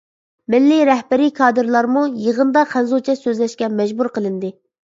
مىللىي رەھبىرىي كادىرلارمۇ يىغىندا خەنزۇچە سۆزلەشكە مەجبۇر قىلىندى.